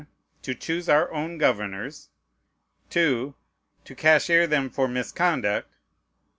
"To choose our own governors." 2. "To cashier them for misconduct."